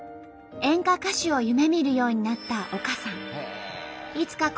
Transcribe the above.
演歌歌手を夢みるようになった丘さん。